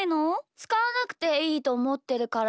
つかわなくていいとおもってるからだよ。